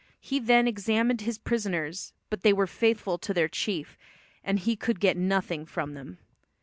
He then examined his prisoners, but they were faithful to their chief, and he could get nothing from them.